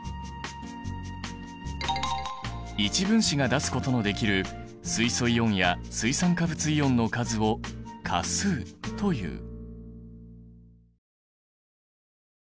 １分子が出すことのできる水素イオンや水酸化物イオンの数を価数という。